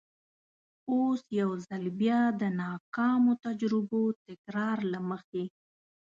اوس یو ځل بیا د ناکامو تجربو تکرار له مخې.